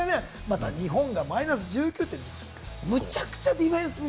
得失点差で日本がマイナス１９点、むちゃくちゃディフェンスも